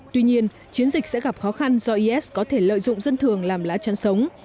tuy nhiên chiến dịch sẽ gặp khó khăn do is có thể lợi dụng dân thường làm lá chăn sống